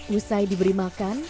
usai diberi makan